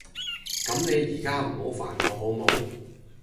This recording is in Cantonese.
咁你依家唔好煩我好冇